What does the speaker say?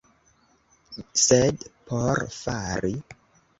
Sed por fari...